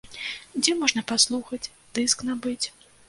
Дзе можна паслухаць, дыск набыць?